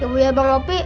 ibunya bang hopi